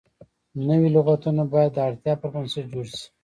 نوي لغتونه باید د اړتیا پر بنسټ جوړ شي.